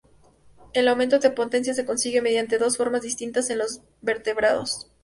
El aumento de potencia se consigue mediante dos formas distintas en los vertebrados.